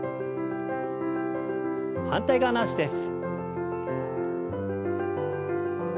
反対側の脚です。